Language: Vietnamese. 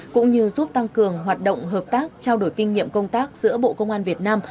cũng như giúp tăng cường hoạt động hợp tác trao đổi kinh nghiệm công tác giữa bộ công an việt nam